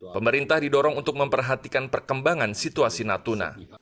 pemerintah didorong untuk memperhatikan perkembangan situasi natuna